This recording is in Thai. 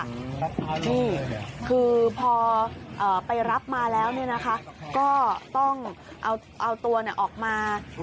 นี่คือพอไปรับมาแล้วเนี่ยนะคะก็ต้องเอาตัวออกมา